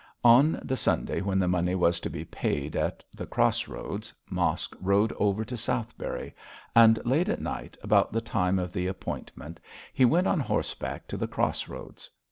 On the Sunday when the money was to be paid at the Cross Roads, Mosk rode over to Southberry; and late at night, about the time of the appointment, he went on horseback to the Cross Roads.